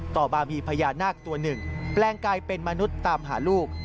ต่อมามีพญานาคตัวหนึ่งแปลงกลายเป็นมนุษย์ตามหาลูก